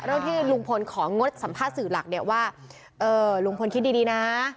ที่ลุงพลของงดสัมภาษณ์สื่อหลักเนี่ยว่าเออลุงพลคิดดีนะ